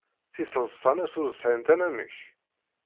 Tiseḍsa-nnes ur sɛint anamek.